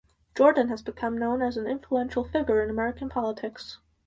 Jordan has become known as an influential figure in American politics.